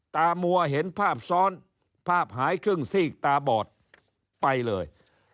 ตามัวเห็นภาพซ้อนภาพหายครึ่งซีกตาบอดไปเลย